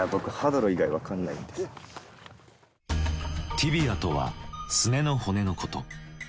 ティビアとはすねの骨のこと。